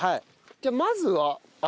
じゃあまずは穴？